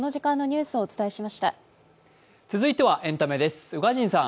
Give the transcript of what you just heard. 続いてはエンタメです。